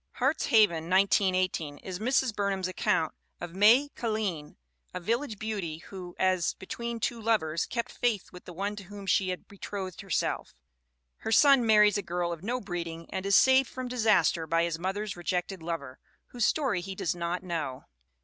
Heart's Haven (1918) is Mrs. Burnham's account of May Ca'line, a village beauty who, as between two lovers, kept faith with the one to whom she had be trothed herself. Her son marries a girl of no breed ing and is saved from disaster by his mother's rejected lover, whose story he does not know.